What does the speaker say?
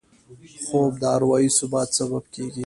خوب د اروايي ثبات سبب کېږي